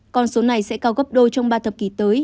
con số này sẽ cao gấp đôi trong ba thập kỷ tới